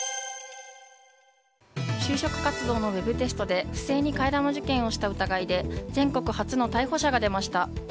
就職活動のウェブテストで不正に替え玉受験をした疑いで全国初の逮捕者が出ました。